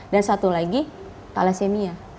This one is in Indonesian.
dan satu lagi thalassemia